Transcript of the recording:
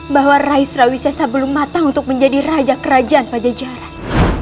bahwa rai surawisesa belum matang untuk menjadi raja kerajaan pajajaran